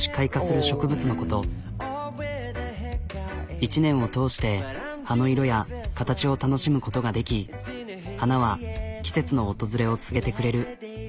１年を通して葉の色や形を楽しむことができ花は季節の訪れを告げてくれる。